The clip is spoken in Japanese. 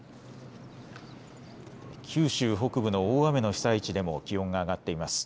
九州北部の大雨の被災地でも気温が上がっています。